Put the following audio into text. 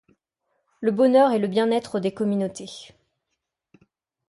le bonheur et le bien-être des communautés.